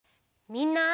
みんな！